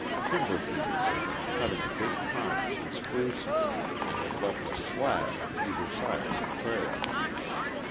Timber thieves had been cutting big pines and spruces and had left a slash on either side of the trail.